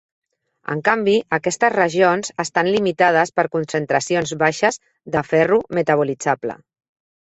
En canvi, aquestes regions estan limitades per concentracions baixes de ferro metabolitzable.